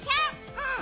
うん。